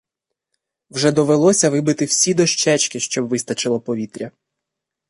Вже довелося вибити всі дощечки, щоб вистачало повітря.